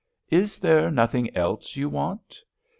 "Is there nothing else you want?"